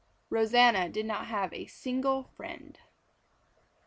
Rosanna did not have a single friend.